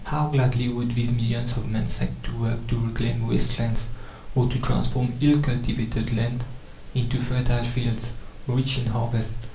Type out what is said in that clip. How gladly would these millions of men set to work to reclaim waste lands, or to transform ill cultivated land into fertile fields, rich in harvests!